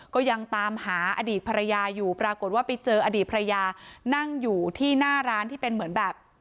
ก็ยังตามหาอดีตภรรยาอยู่ปรากฏว่าไปเจออดีตภรรยานั่งอยู่ที่หน้าร้านที่เป็นเหมือนแบบ